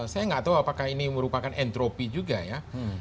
saya nggak tahu apakah ini merupakan entropi juga ya